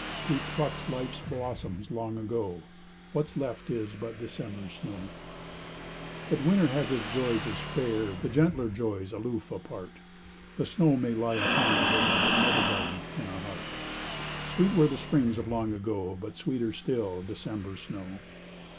We plucked Life's blossoms long ago What's left is but December's snow. But winter has its joys as fair, The gentler joys, aloof, apart; The snow may lie upon our hair But never, darling, in our heart. Sweet were the springs of long ago But sweeter still December's snow.